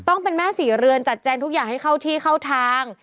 ต้องเป็นแม่ศรีเรือนจัดแจงทุกอย่างให้เข้าที่เข้าทาง